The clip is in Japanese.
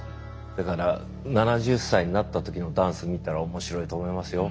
だから７０歳になった時のダンス見たら面白いと思いますよ。